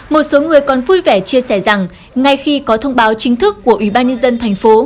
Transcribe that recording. một số người còn vui vẻ chia sẻ rằng ngay khi có thông báo chính thức của ủy ban nhân dân thành phố